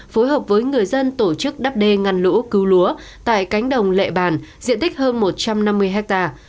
phối hợp với người dân tổ chức đắp đê ngăn lũ cứu lúa tại cánh đồng lệ bàn diện tích hơn một trăm năm mươi hectare